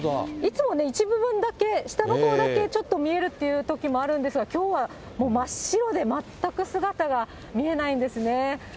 いつも、一部分だけ、下のほうだけちょっと見えるというときもあるんですが、きょうは真っ白で全く姿が見えないんですね。